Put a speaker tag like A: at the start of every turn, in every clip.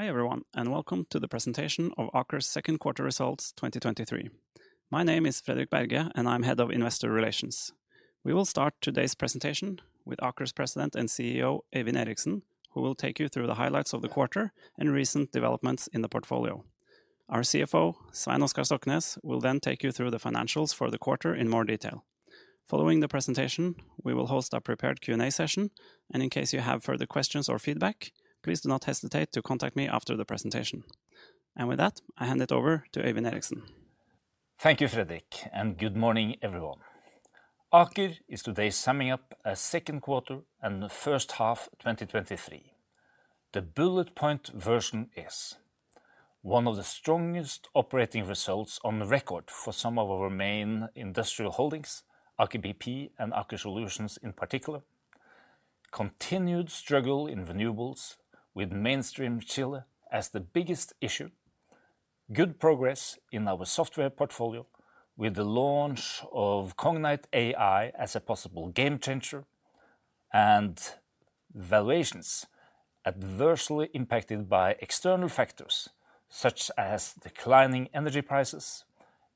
A: Hi, everyone, welcome to the presentation of Aker's second quarter results 2023. My name is Fredrik Berge, I'm Head of Investor Relations. We will start today's presentation with Aker's President and CEO, Øyvind Eriksen, who will take you through the highlights of the quarter and recent developments in the portfolio. Our CFO, Svein Oskar Stoknes, will take you through the financials for the quarter in more detail. Following the presentation, we will host a prepared Q&A session, in case you have further questions or feedback, please do not hesitate to contact me after the presentation. With that, I hand it over to Øyvind Eriksen.
B: Thank you, Fredrik. Good morning, everyone. Aker is today summing up a second quarter and the first half 2023. The bullet point version is one of the strongest operating results on record for some of our main industrial holdings, Aker BP and Aker Solutions in particular. Continued struggle in renewables, with Mainstream Chile as the biggest issue. Good progress in our software portfolio, with the launch of Cognite AI as a possible game changer, and valuations adversely impacted by external factors such as declining energy prices,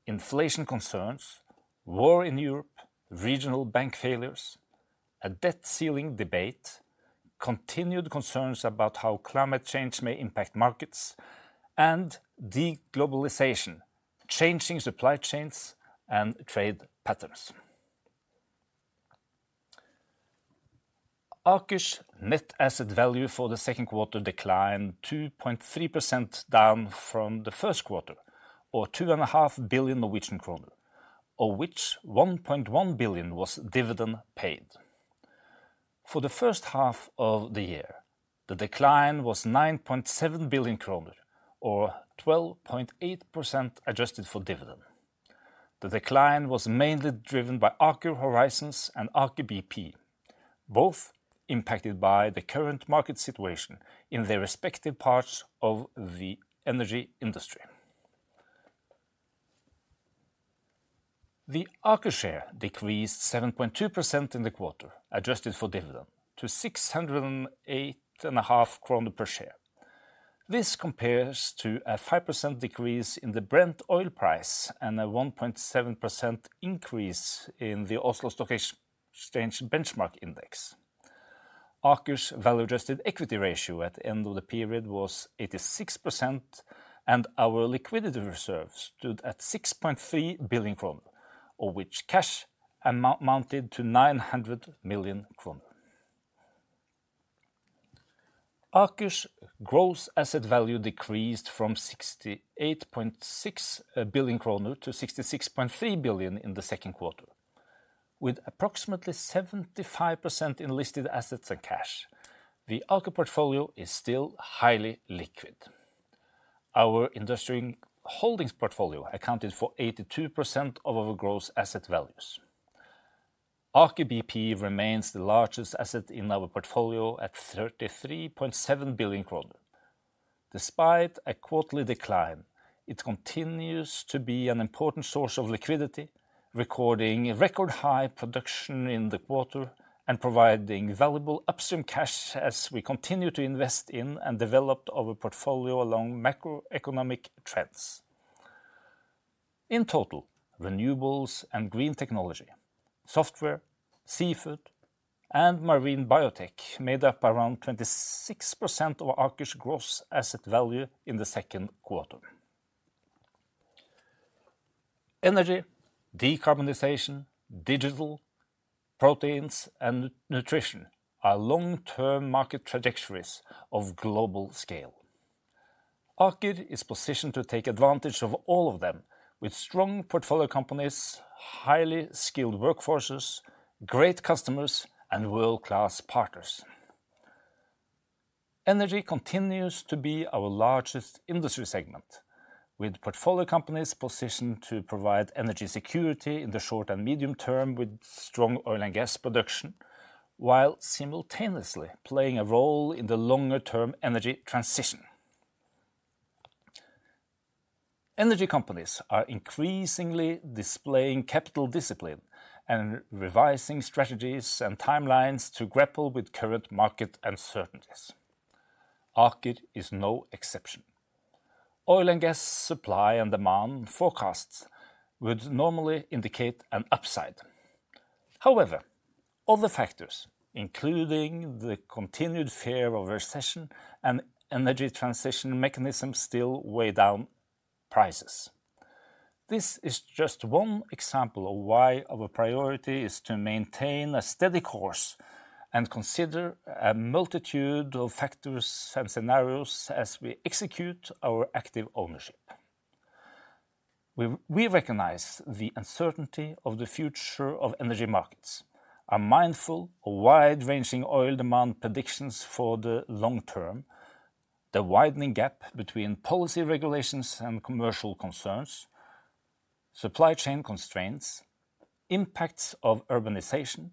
B: inflation concerns, war in Europe, regional bank failures, a debt ceiling debate, continued concerns about how climate change may impact markets, and de-globalization, changing supply chains and trade patterns. Aker's net asset value for the second quarter declined 2.3% down from the first quarter, or 2.5 billion Norwegian kroner, of which 1.1 billion was dividend paid. For the first half of the year, the decline was 9.7 billion kroner, or 12.8% adjusted for dividend. The decline was mainly driven by Aker Horizons and Aker BP, both impacted by the current market situation in their respective parts of the energy industry. The Aker share decreased 7.2% in the quarter, adjusted for dividend, to 608.5 kroner per share. This compares to a 5% decrease in the Brent oil price and a 1.7% increase in the Oslo Stock Exchange benchmark index. Aker's value-adjusted equity ratio at the end of the period was 86%, and our liquidity reserve stood at 6.3 billion kroner, of which cash amounted to 900 million kroner. Aker's gross asset value decreased from 68.6 billion kroner to 66.3 billion in the second quarter. With approximately 75% in listed assets and cash, the Aker portfolio is still highly liquid. Our industrial holdings portfolio accounted for 82% of our gross asset values. Aker BP remains the largest asset in our portfolio at 33.7 billion kroner. Despite a quarterly decline, it continues to be an important source of liquidity, recording record high production in the quarter and providing valuable upstream cash as we continue to invest in and develop our portfolio along macroeconomic trends. In total, renewables and green technology, software, seafood, and marine biotech made up around 26% of Aker's gross asset value in the second quarter. Energy, decarbonization, digital, proteins, and nutrition are long-term market trajectories of global scale. Aker is positioned to take advantage of all of them with strong portfolio companies, highly skilled workforces, great customers, and world-class partners. Energy continues to be our largest industry segment, with portfolio companies positioned to provide energy security in the short and medium term with strong oil and gas production, while simultaneously playing a role in the longer-term energy transition. Energy companies are increasingly displaying capital discipline and revising strategies and timelines to grapple with current market uncertainties. Aker is no exception. Oil and gas supply and demand forecasts would normally indicate an upside. However, other factors, including the continued fear of recession and energy transition mechanisms, still weigh down prices. This is just one example of why our priority is to maintain a steady course and consider a multitude of factors and scenarios as we execute our active ownership. We recognize the uncertainty of the future of energy markets, are mindful of wide-ranging oil demand predictions for the long term, the widening gap between policy regulations and commercial concerns, supply chain constraints, impacts of urbanization,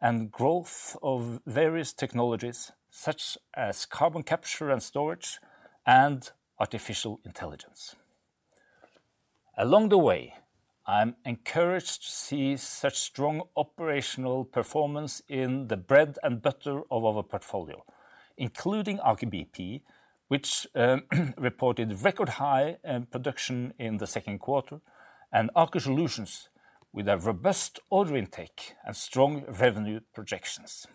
B: and growth of various technologies such as carbon capture and storage and artificial intelligence. Along the way, I'm encouraged to see such strong operational performance in the bread and butter of our portfolio, including Aker BP, which reported record high production in the second quarter, and Aker Solutions, with a robust order intake and strong revenue projections.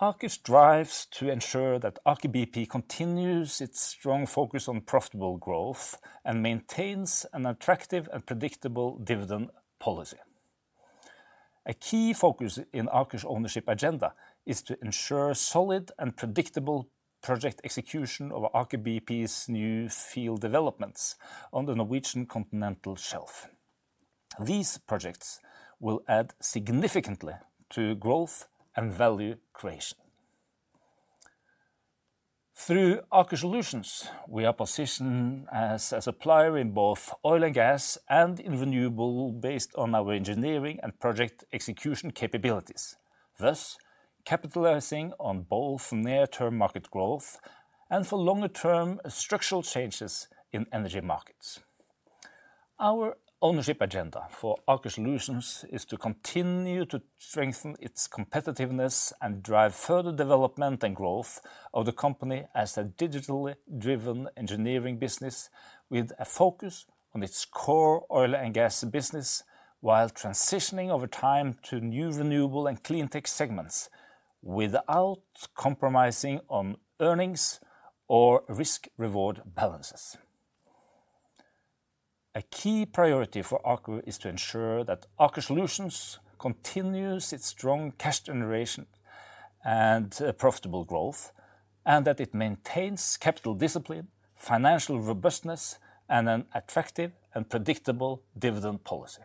B: Aker strives to ensure that Aker BP continues its strong focus on profitable growth and maintains an attractive and predictable dividend policy. A key focus in Aker's ownership agenda is to ensure solid and predictable project execution of Aker BP's new field developments on the Norwegian Continental Shelf. These projects will add significantly to growth and value creation. Through Aker Solutions, we are positioned as a supplier in both oil and gas, and in renewable, based on our engineering and project execution capabilities, thus capitalizing on both near-term market growth and for longer-term structural changes in energy markets. Our ownership agenda for Aker Solutions is to continue to strengthen its competitiveness and drive further development and growth of the company as a digitally driven engineering business with a focus on its core oil and gas business, while transitioning over time to new renewable and clean tech segments without compromising on earnings or risk-reward balances. A key priority for Aker is to ensure that Aker Solutions continues its strong cash generation and profitable growth, that it maintains capital discipline, financial robustness, and an attractive and predictable dividend policy.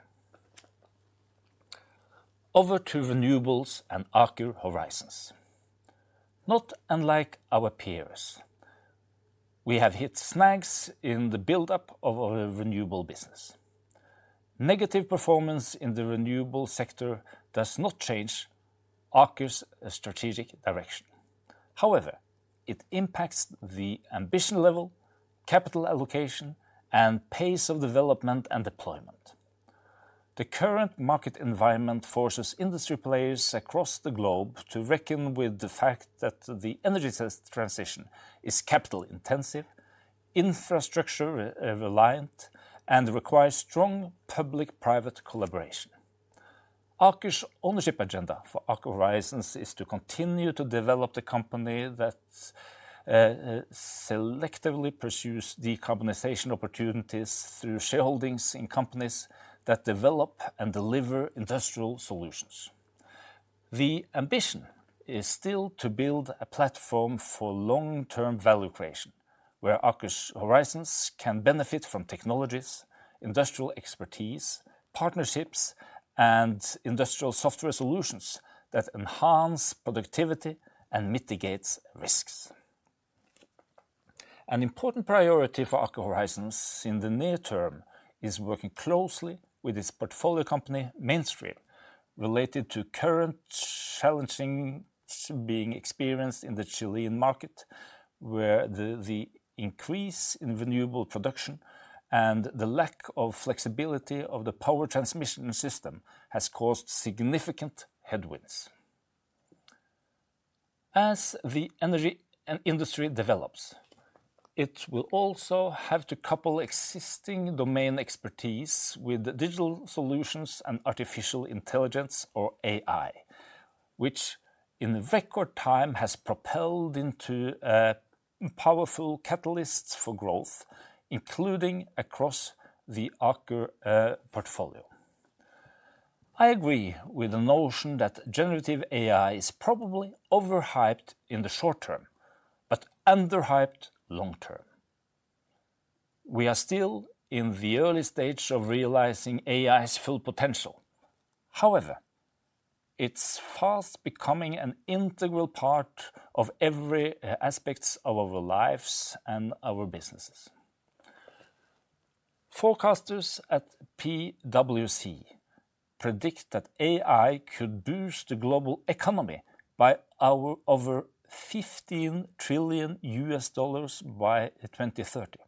B: Over to renewables and Aker Horizons. Not unlike our peers, we have hit snags in the buildup of our renewable business. Negative performance in the renewable sector does not change Aker's strategic direction. It impacts the ambition level, capital allocation, and pace of development and deployment. The current market environment forces industry players across the globe to reckon with the fact that the energy transition is capital intensive, infrastructure reliant, and requires strong public-private collaboration. Aker's ownership agenda for Aker Horizons is to continue to develop the company that selectively pursues decarbonization opportunities through shareholdings in companies that develop and deliver industrial solutions. The ambition is still to build a platform for long-term value creation, where Aker Horizons can benefit from technologies, industrial expertise, partnerships, and industrial software solutions that enhance productivity and mitigates risks. An important priority for Aker Horizons in the near term is working closely with its portfolio company, Mainstream, related to current challenges being experienced in the Chilean market, where the increase in renewable production and the lack of flexibility of the power transmission system has caused significant headwinds. As the energy and industry develops, it will also have to couple existing domain expertise with digital solutions and artificial intelligence or AI, which in record time has propelled into powerful catalysts for growth, including across the Aker portfolio. I agree with the notion that generative AI is probably overhyped in the short term, but underhyped long term. We are still in the early stage of realizing AI's full potential. However, it's fast becoming an integral part of every aspects of our lives and our businesses. Forecasters at PwC predict that AI could boost the global economy by our over $15 trillion by 2030.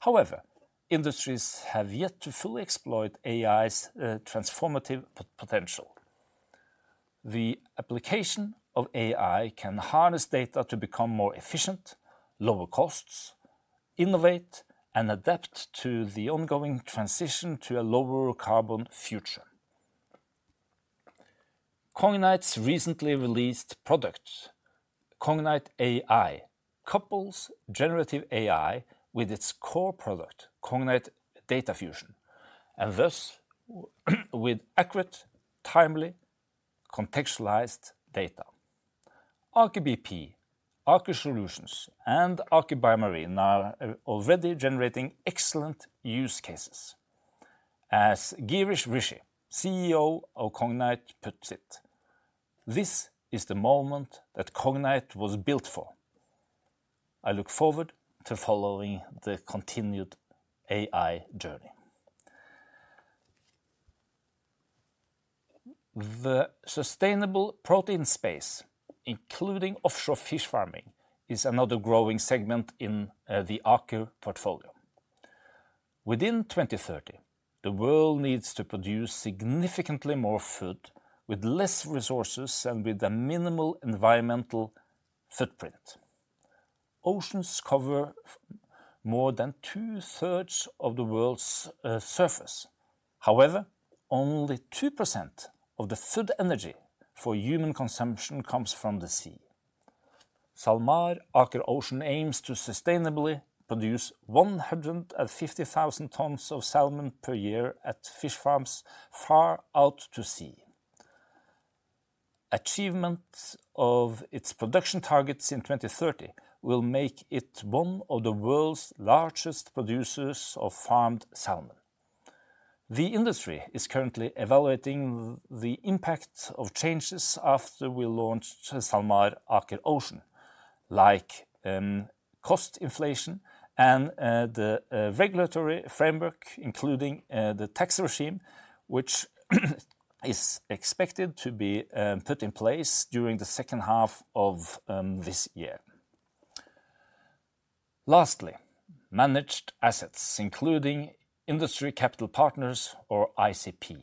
B: However, industries have yet to fully exploit AI's transformative potential. The application of AI can harness data to become more efficient, lower costs, innovate, and adapt to the ongoing transition to a lower carbon future. Cognite's recently released product, Cognite AI, couples generative AI with its core product, Cognite Data Fusion, and thus, with accurate, timely, contextualized data. Aker BP, Aker Solutions, and Aker BioMarine are already generating excellent use cases. As Girish Rishi, CEO of Cognite, puts it, "This is the moment that Cognite was built for." I look forward to following the continued AI journey.... The sustainable protein space, including offshore fish farming, is another growing segment in the Aker portfolio. Within 2030, the world needs to produce significantly more food with less resources and with a minimal environmental footprint. Oceans cover more than two-thirds of the world's surface. Only 2% of the food energy for human consumption comes from the sea. SalMar Aker Ocean aims to sustainably produce 150,000 tons of salmon per year at fish farms far out to sea. Achievement of its production targets in 2030 will make it one of the world's largest producers of farmed salmon. The industry is currently evaluating the impact of changes after we launched SalMar Aker Ocean, like, cost inflation and the regulatory framework, including the tax regime, which is expected to be put in place during the second half of this year. Lastly, managed assets, including Industry Capital Partners or ICP.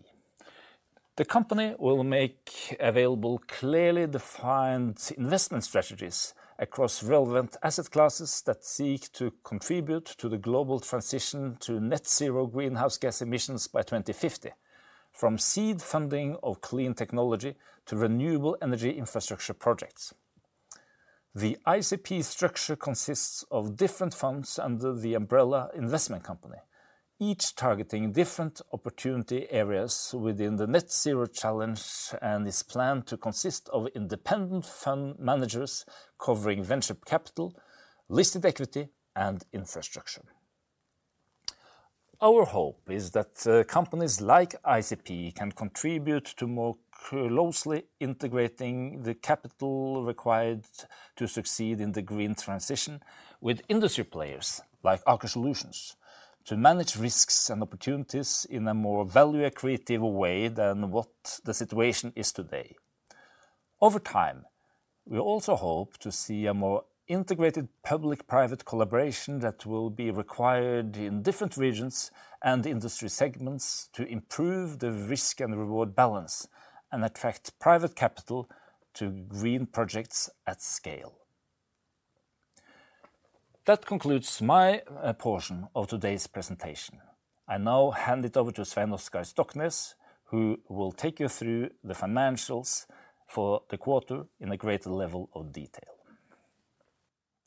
B: The company will make available clearly defined investment strategies across relevant asset classes that seek to contribute to the global transition to net zero greenhouse gas emissions by 2050, from seed funding of clean technology to renewable energy infrastructure projects. The ICP structure consists of different funds under the umbrella investment company, each targeting different opportunity areas within the net zero challenge, and is planned to consist of independent fund managers covering venture capital, listed equity, and infrastructure. Our hope is that companies like ICP can contribute to more closely integrating the capital required to succeed in the green transition with industry players like Aker Solutions, to manage risks and opportunities in a more value-accretive way than what the situation is today. Over time, we also hope to see a more integrated public-private collaboration that will be required in different regions and industry segments to improve the risk and reward balance and attract private capital to green projects at scale. That concludes my portion of today's presentation. I now hand it over to Svein Oskar Stoknes, who will take you through the financials for the quarter in a greater level of detail.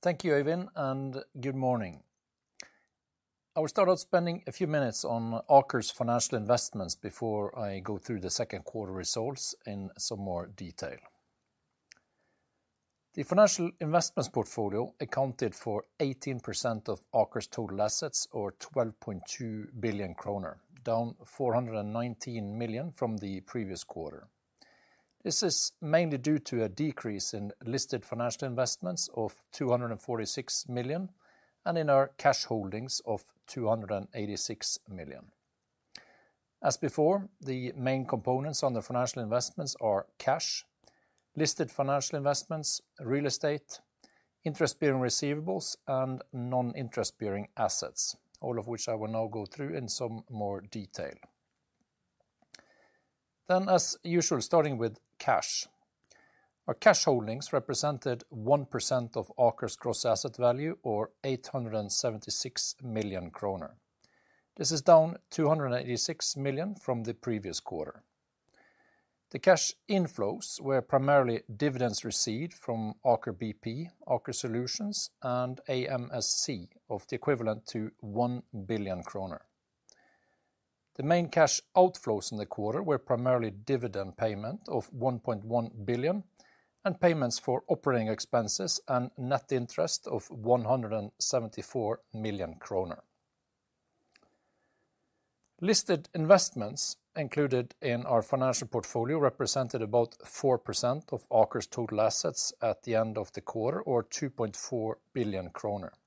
C: Thank you, Øyvind. Good morning. I will start out spending a few minutes on Aker's financial investments before I go through the second quarter results in some more detail. The financial investments portfolio accounted for 18% of Aker's total assets or 12.2 billion kroner, down 419 million from the previous quarter. This is mainly due to a decrease in listed financial investments of 246 million and in our cash holdings of 286 million. As before, the main components on the financial investments are cash, listed financial investments, real estate, interest-bearing receivables, and non-interest-bearing assets, all of which I will now go through in some more detail. As usual, starting with cash. Our cash holdings represented 1% of Aker's gross asset value, or 876 million kroner. This is down 286 million from the previous quarter. The cash inflows were primarily dividends received from Aker BP, Aker Solutions, and AMSC of the equivalent to 1 billion kroner. The main cash outflows in the quarter were primarily dividend payment of 1.1 billion and payments for operating expenses and net interest of 174 million kroner. Listed investments included in our financial portfolio represented about 4% of Aker's total assets at the end of the quarter, or 2.4 billion kroner. The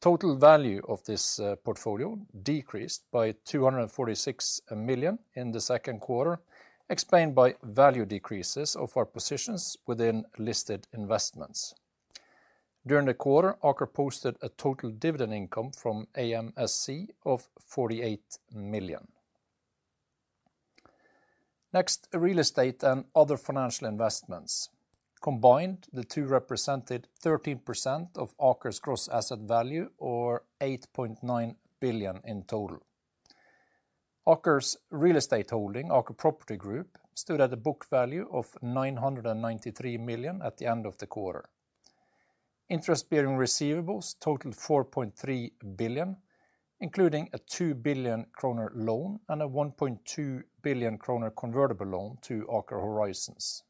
C: total value of this portfolio decreased by 246 million in the second quarter, explained by value decreases of our positions within listed investments. During the quarter, Aker posted a total dividend income from AMSC of 48 million. Real estate and other financial investments. Combined, the two represented 13% of Aker's gross asset value or 8.9 billion in total. Aker's real estate holding, Aker Property Group, stood at a book value of 993 million at the end of the quarter. Interest-bearing receivables totaled 4.3 billion, including a 2 billion kroner loan and a 1.2 billion kroner convertible loan to Aker Horizons.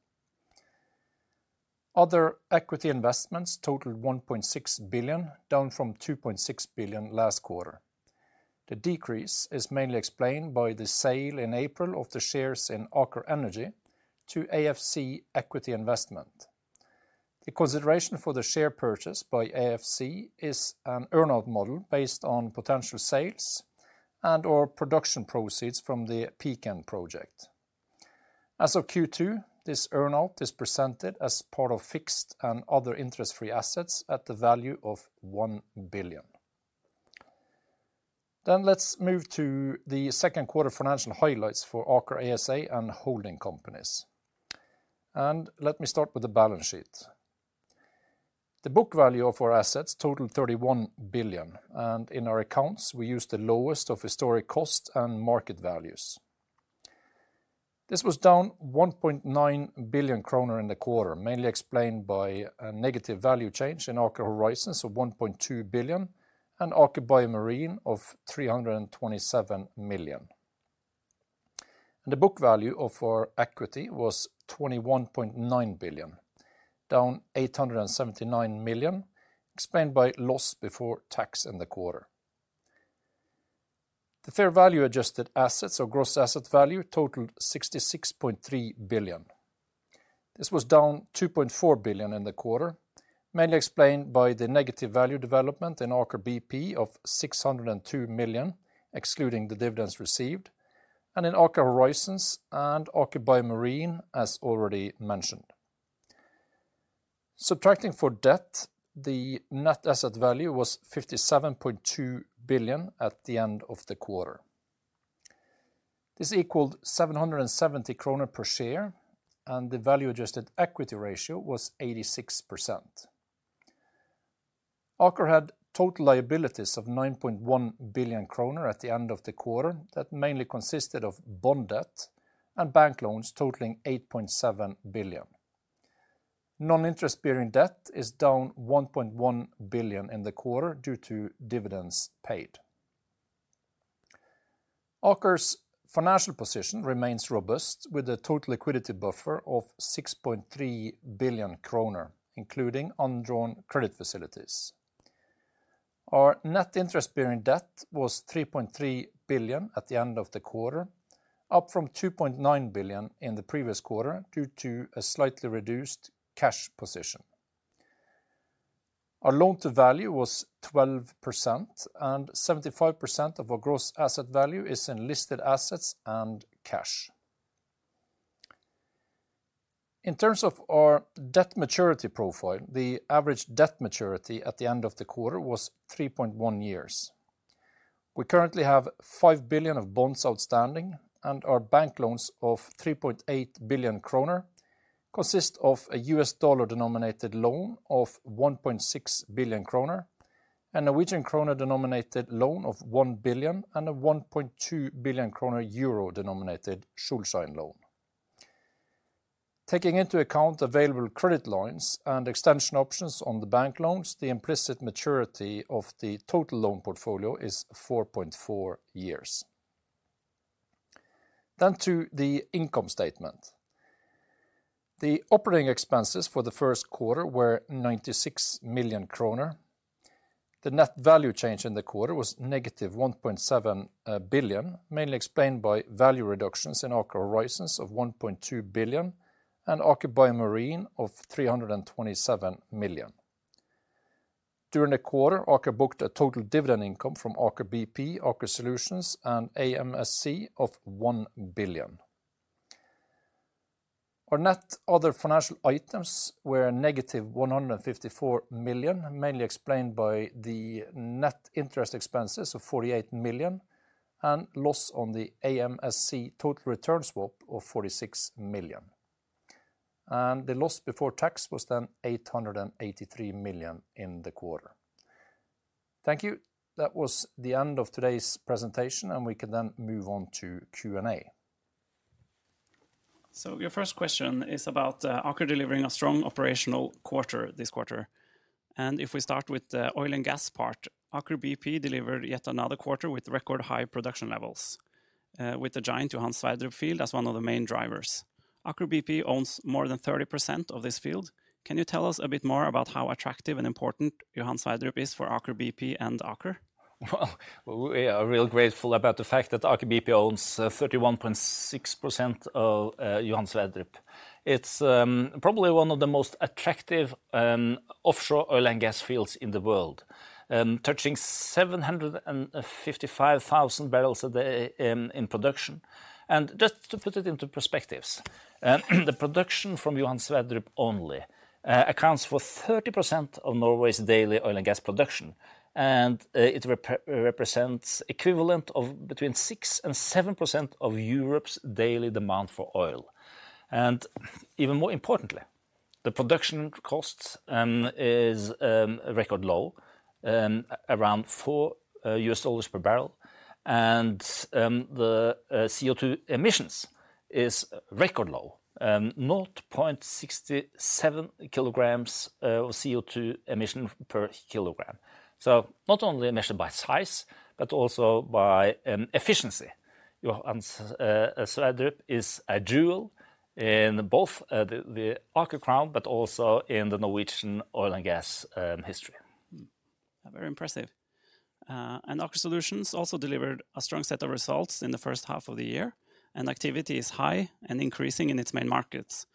C: Other equity investments totaled 1.6 billion, down from 2.6 billion last quarter. The decrease is mainly explained by the sale in April of the shares in Aker Energy to AFC Equity Investment. The consideration for the share purchase by AFC is an earn-out model based on potential sales and/or production proceeds from the Pecan project. As of Q2, this earn-out is presented as part of fixed and other interest-free assets at the value of 1 billion. Let's move to the second quarter financial highlights for Aker ASA and holding companies. Let me start with the balance sheet. The book value of our assets totaled 31 billion, and in our accounts, we use the lowest of historic cost and market values. This was down 1.9 billion kroner in the quarter, mainly explained by a negative value change in Aker Horizons of 1.2 billion and Aker BioMarine of 327 million. The book value of our equity was 21.9 billion, down 879 million, explained by loss before tax in the quarter. The fair value adjusted assets or gross asset value totaled 66.3 billion. This was down 2.4 billion in the quarter, mainly explained by the negative value development in Aker BP of 602 million, excluding the dividends received, and in Aker Horizons and Aker BioMarine, as already mentioned. Subtracting for debt, the net asset value was 57.2 billion at the end of the quarter. This equaled 770 kroner per share, and the value-adjusted equity ratio was 86%. Aker had total liabilities of 9.1 billion kroner at the end of the quarter. That mainly consisted of bond debt and bank loans totaling 8.7 billion. Non-interest-bearing debt is down 1.1 billion in the quarter due to dividends paid. Aker's financial position remains robust, with a total liquidity buffer of 6.3 billion kroner, including undrawn credit facilities. Our net interest-bearing debt was 3.3 billion at the end of the quarter, up from 2.9 billion in the previous quarter, due to a slightly reduced cash position. Our loan-to-value was 12%, and 75% of our gross asset value is in listed assets and cash. In terms of our debt maturity profile, the average debt maturity at the end of the quarter was 3.1 years. We currently have 5 billion of bonds outstanding, and our bank loans of 3.8 billion kroner consist of a US dollar-denominated loan of 1.6 billion kroner, a Norwegian kroner-denominated loan of 1 billion, and a NOK 1.2 billion EUR-denominated Schuldschein loan. Taking into account available credit lines and extension options on the bank loans, the implicit maturity of the total loan portfolio is 4.4 years. To the income statement. The operating expenses for the first quarter were 96 million kroner. The net value change in the quarter was negative 1.7 billion, mainly explained by value reductions in Aker Horizons of 1.2 billion and Aker BioMarine of 327 million. During the quarter, Aker booked a total dividend income from Aker BP, Aker Solutions, and AMSC of 1 billion. Our net other financial items were negative 154 million, mainly explained by the net interest expenses of 48 million and loss on the AMSC total return swap of 46 million. The loss before tax was then 883 million in the quarter. Thank you. That was the end of today's presentation, and we can then move on to Q&A.
A: Your first question is about, Aker delivering a strong operational quarter this quarter. If we start with the oil and gas part, Aker BP delivered yet another quarter with record high production levels, with the giant Johan Sverdrup field as one of the main drivers. Aker BP owns more than 30% of this field. Can you tell us a bit more about how attractive and important Johan Sverdrup is for Aker BP and Aker?
B: Well, we are real grateful about the fact that Aker BP owns 31.6% of Johan Sverdrup. It's probably one of the most attractive offshore oil and gas fields in the world, touching 755,000 barrels a day in production. Just to put it into perspectives, the production from Johan Sverdrup only accounts for 30% of Norway's daily oil and gas production, and it represents equivalent of between 6% and 7% of Europe's daily demand for oil. Even more importantly, the production cost is record low, around $4 per barrel. The CO2 emissions is record low, 0.67 kilograms of CO2 emission per kilogram. Not only measured by size, but also by efficiency. Johan Sverdrup is a jewel in both, the Aker crown, but also in the Norwegian oil and gas, history.
A: Very impressive. Aker Solutions also delivered a strong set of results in the first half of the year. Activity is high and increasing in its main markets.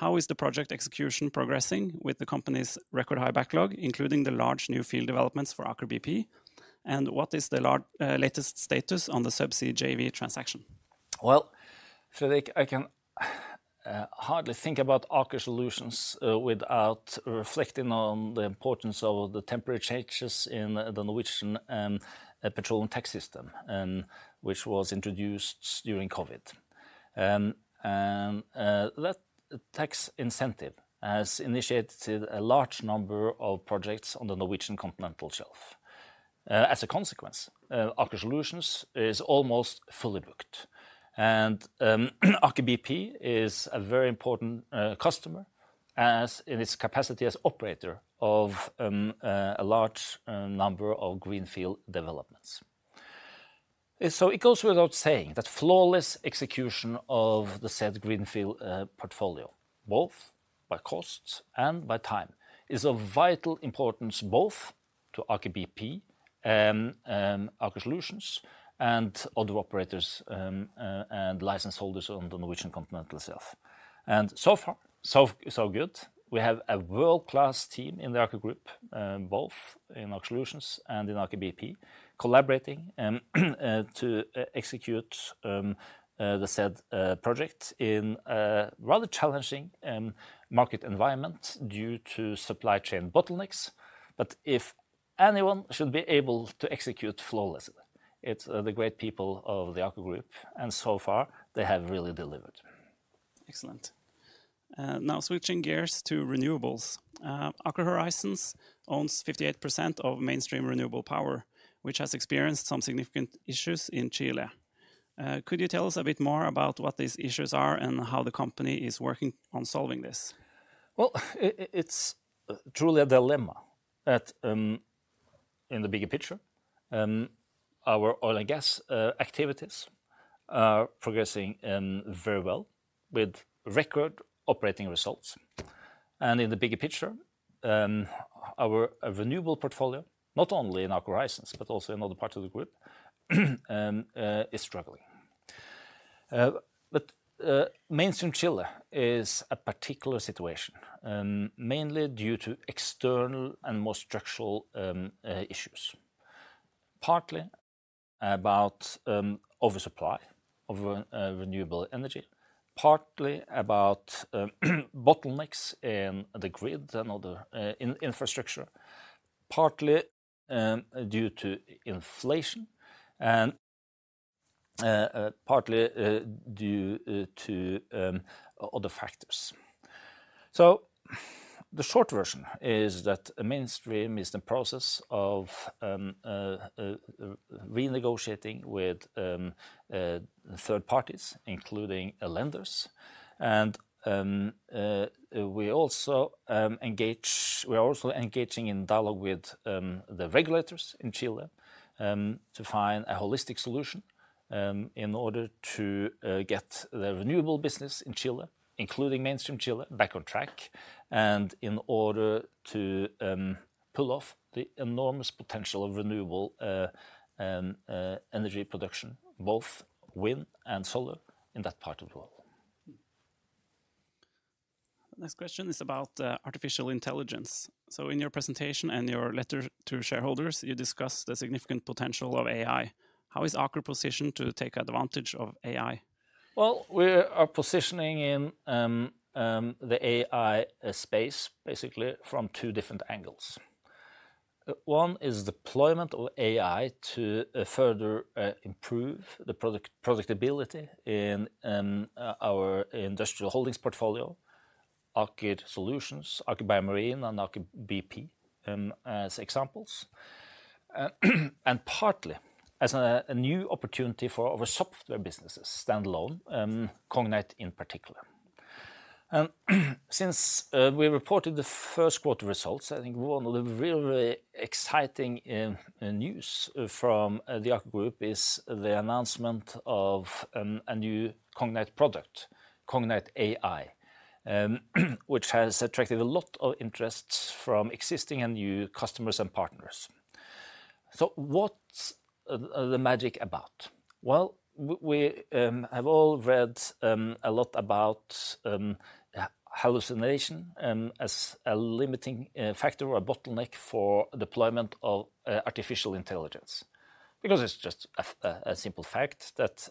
A: How is the project execution progressing with the company's record-high backlog, including the large new field developments for Aker BP? What is the latest status on the Subsea JV transaction?
B: Well, Fredrik, I can hardly think about Aker Solutions without reflecting on the importance of the temperature changes in the Norwegian petroleum tax system, which was introduced during COVID. That tax incentive has initiated a large number of projects on the Norwegian Continental Shelf. As a consequence, Aker Solutions is almost fully booked. Aker BP is a very important customer, as in its capacity as operator of a large number of greenfield developments. It goes without saying that flawless execution of the said greenfield portfolio, both by costs and by time, is of vital importance both to Aker BP, Aker Solutions, and other operators and license holders on the Norwegian Continental Shelf. So far, so good. We have a world-class team in the Aker Group, both in Aker Solutions and in Aker BP, collaborating, and to execute the said project in a rather challenging market environment due to supply chain bottlenecks. If anyone should be able to execute flawlessly, it's the great people of the Aker Group, and so far, they have really delivered.
A: Excellent. now switching gears to renewables. Aker Horizons owns 58% of Mainstream Renewable Power, which has experienced some significant issues in Chile. Could you tell us a bit more about what these issues are, and how the company is working on solving this?
B: Well, it's truly a dilemma that. In the bigger picture, our oil and gas activities are progressing very well with record operating results. In the bigger picture, our renewable portfolio, not only in Aker Horizons, but also in other parts of the Group, is struggling. Mainstream Chile is a particular situation, mainly due to external and more structural issues. Partly about oversupply of renewable energy, partly about bottlenecks in the grid and other infrastructure, partly due to inflation, and partly due to other factors. The short version is that Mainstream is in the process of renegotiating with third parties, including lenders, and we are also engaging in dialogue with the regulators in Chile to find a holistic solution in order to get the renewable business in Chile, including Mainstream Chile, back on track, and in order to pull off the enormous potential of renewable energy production, both wind and solar, in that part of the world.
A: The next question is about artificial intelligence. In your presentation and your letter to shareholders, you discussed the significant potential of AI. How is Aker positioned to take advantage of AI?
B: Well, we are positioning in the AI space, basically from two different angles. One is deployment of AI to further improve the predictability in our industrial holdings portfolio, Aker Solutions, Aker BioMarine, and Aker BP as examples. Partly as a new opportunity for our software businesses, standalone, Cognite in particular. Since we reported the first quarter results, I think one of the really exciting news from the Aker Group is the announcement of a new Cognite product, Cognite AI, which has attracted a lot of interest from existing and new customers and partners. What's the magic about? Well, we have all read a lot about hallucination as a limiting factor or bottleneck for deployment of artificial intelligence. Because it's just a simple fact that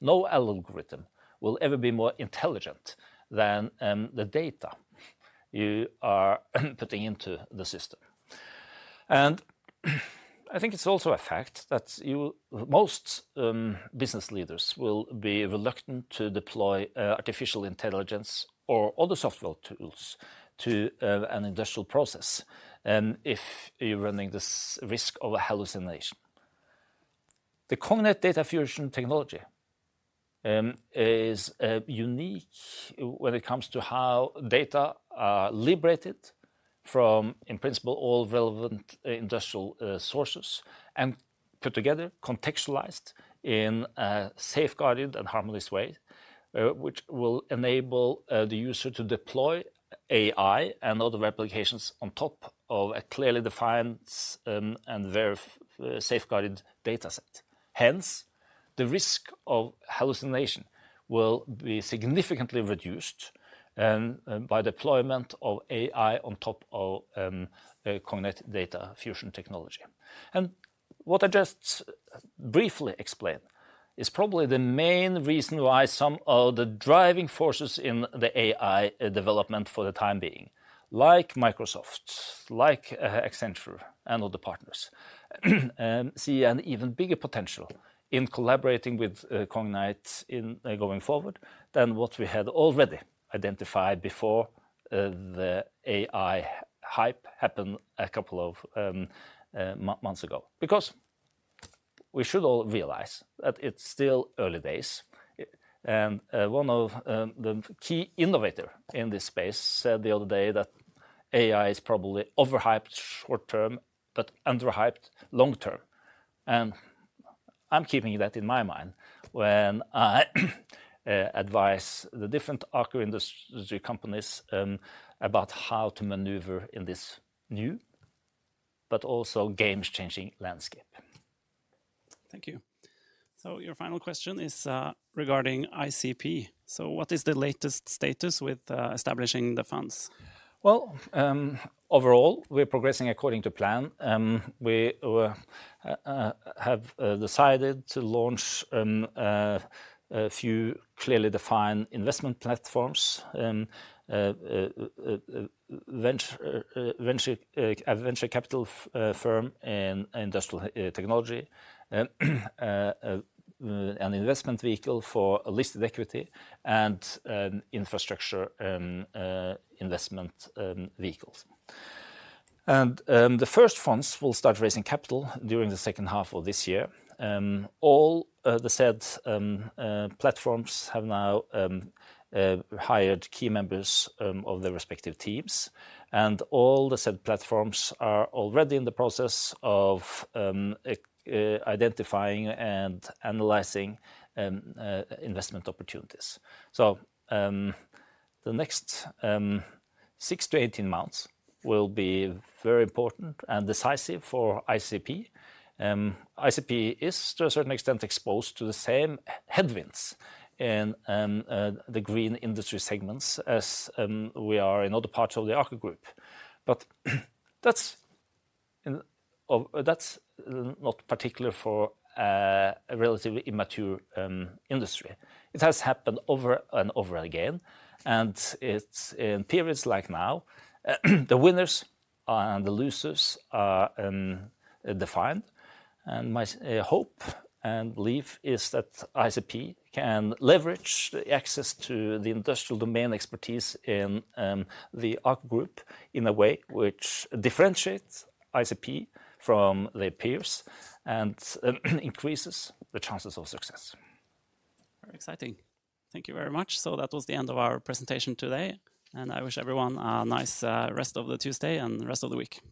B: no algorithm will ever be more intelligent than the data you are, putting into the system. I think it's also a fact that most business leaders will be reluctant to deploy artificial intelligence or other software tools to an industrial process if you're running this risk of a hallucination. The Cognite Data Fusion technology is unique when it comes to how data are liberated from, in principle, all relevant industrial sources, and put together, contextualized in a safeguarded and harmless way, which will enable the user to deploy AI and other applications on top of a clearly defined and very safeguarded data set. Hence, the risk of hallucination will be significantly reduced by deployment of AI on top of Cognite Data Fusion technology. What I just briefly explained is probably the main reason why some of the driving forces in the AI development for the time being, like Microsoft, like Accenture and other partners, see an even bigger potential in collaborating with Cognite in going forward than what we had already identified before the AI hype happened a couple of months ago. We should all realize that it's still early days, and one of the key innovator in this space said the other day that AI is probably overhyped short term, but underhyped long term. I'm keeping that in my mind when I advise the different Aker industry companies about how to maneuver in this new, but also game-changing landscape.
A: Thank you. Your final question is regarding ICP. What is the latest status with establishing the funds?
B: Well, overall, we're progressing according to plan. We have decided to launch a few clearly defined investment platforms, a venture capital firm and industrial technology, an investment vehicle for a listed equity and infrastructure investment vehicles. The first funds will start raising capital during the second half of this year. All the said platforms have now hired key members of their respective teams, and all the said platforms are already in the process of identifying and analyzing investment opportunities. The next 6-18 months will be very important and decisive for ICP. ICP is, to a certain extent, exposed to the same headwinds and the green industry segments as we are in other parts of the Aker Group. That's not particular for a relatively immature industry. It has happened over and over again, and it's in periods like now, the winners and the losers are defined. My hope and belief is that ICP can leverage the access to the industrial domain expertise in the Aker Group in a way which differentiates ICP from their peers and, increases the chances of success.
A: Very exciting. Thank you very much. That was the end of our presentation today. I wish everyone a nice rest of the Tuesday and the rest of the week. Thank you.